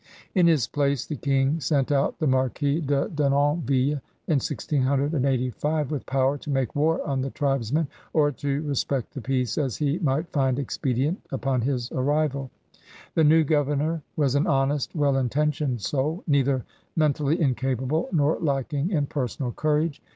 In his place the King sent out the Marquis de Denonville in 1685 with power to make war on the tribesmen or to respect the peace as he might find expedient upon his arrival. The new governor was an honest, well intentioned soul, neither men tally incapable nor lacking in personal courage.